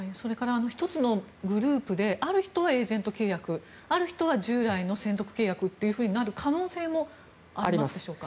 １つのグループである人はエージェント契約ある人は従来の専属契約となる可能性もありますでしょうか。